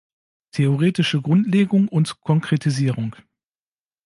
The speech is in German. Theoretische Grundlegung und Konkretisierung.